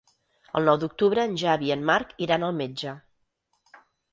El nou d'octubre en Xavi i en Marc iran al metge.